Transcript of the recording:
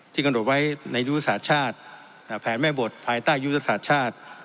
กำหนดไว้ในยุทธศาสตร์ชาติแผนแม่บทภายใต้ยุทธศาสตร์ชาติ